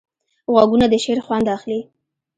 غوږونه د شعر خوند اخلي